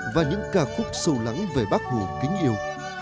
và những ca khúc sâu lắng về bác hồ kính yêu